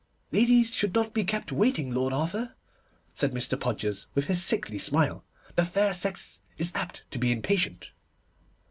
'Ladies should not be kept waiting, Lord Arthur,' said Mr. Podgers, with his sickly smile. 'The fair sex is apt to be impatient.